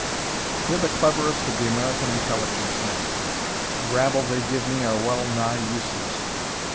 "You're the cleverest of the American Intelligence men. The rabble they give me are well nigh useless.